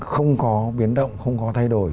không có biến động không có thay đổi